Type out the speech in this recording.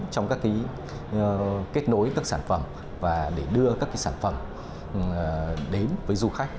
trong các kết nối các sản phẩm và để đưa các sản phẩm đến với du khách